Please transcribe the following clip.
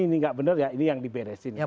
ini nggak benar ya ini yang diberesin